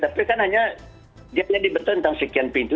tapi kan hanya dia hanya diberitahu tentang sekian pintu